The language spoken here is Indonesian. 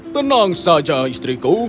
tenang saja istriku